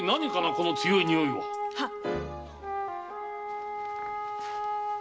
この強い匂いは？はっ。